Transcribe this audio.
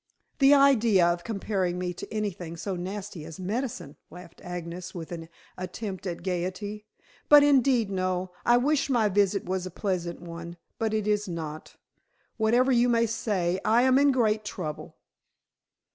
"The idea of comparing me to anything so nasty as medicine," laughed Agnes with an attempt at gayety. "But indeed, Noel, I wish my visit was a pleasant one. But it is not, whatever you may say; I am in great trouble."